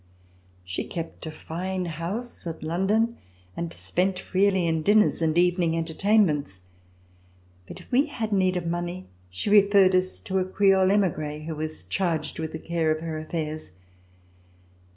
She kept a fine house at London and spent freely in dinners and evening entertainments, but if we had need of money she referred us to a Creole emigre who was charged with the care of her affairs.